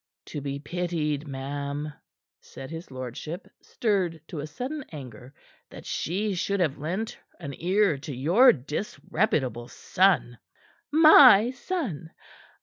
"To be pitied, ma'am," said his lordship, stirred to sudden anger, "that she should have lent an ear to your disreputable son." "My son?